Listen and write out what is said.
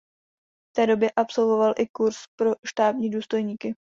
V té době absolvoval i kurz pro štábní důstojníky.